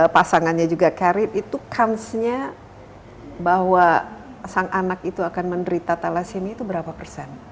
pasangannya juga carrier itu kansnya bahwa sang anak itu akan menderita thalassemia itu berapa persen